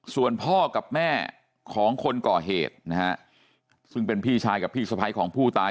ส่วนพ่อกับแม่ของคนก่อเหตุนะฮะซึ่งเป็นพี่ชายกับพี่สะพ้ายของผู้ตาย